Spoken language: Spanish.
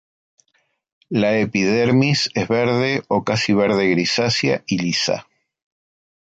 La epidermis es verde o casi verde grisácea y lisa.